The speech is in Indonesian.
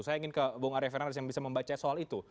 saya ingin ke bung arya fernalis yang bisa membaca soal itu